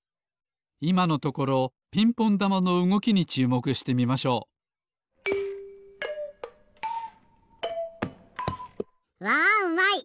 いまのところピンポンだまのうごきにちゅうもくしてみましょうわうまい！